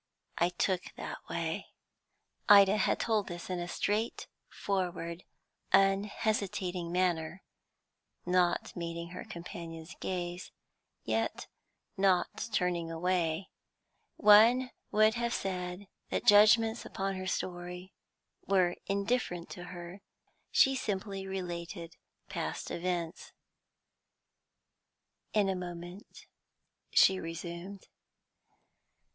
I took that way." Ida had told this in a straightforward, unhesitating manner, not meeting her companion's gaze, yet not turning away. One would have said that judgments upon her story were indifferent to her; she simply related past events. In a moment, she resumed.